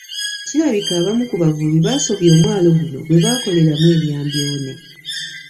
Kirabika abamu ku bavubi baasobya omwalo guno bwe baakoleramu ebya mbyone